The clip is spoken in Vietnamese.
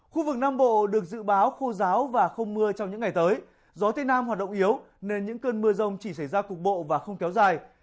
khu vực nam bộ được dự báo khô giáo và không mưa trong những ngày tới gió tây nam hoạt động yếu nên những cơn mưa rông chỉ xảy ra cục bộ và không kéo dài